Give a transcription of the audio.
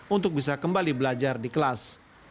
untuk bisa kembali belajar di kelas